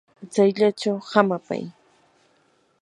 tsayllachaw hamapay.